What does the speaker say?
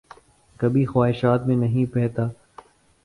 کبھی خواہشات میں نہیں بہتا